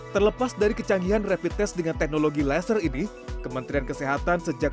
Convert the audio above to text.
terlepas dari kecanggihan rapid test dengan teknologi laser ini kementerian kesehatan sejak